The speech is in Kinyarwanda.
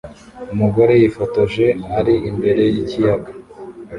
Umugore yifotoje ari imbere yikiyaga